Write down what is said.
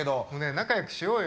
仲よくしようよ。